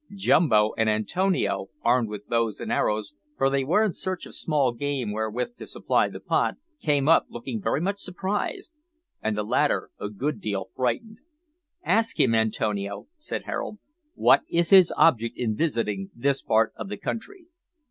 Jumbo and Antonio, armed with bows and arrows, for they were in search of small game wherewith to supply the pot came up, looking very much surprised, and the latter a good deal frightened. "Ask him, Antonio," said Harold, "what is his object in visiting this part of the country."